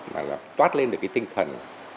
mà toát lên được cái tinh thần